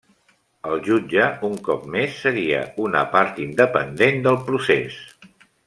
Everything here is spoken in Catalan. El jutge, un cop més, seria una part independent del procés.